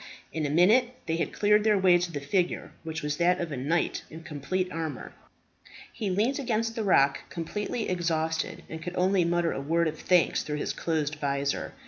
In a minute they had cleared their way to the figure, which was that of a knight in complete armour. He leant against the rock completely exhausted, and could only mutter a word of thanks through his closed visor.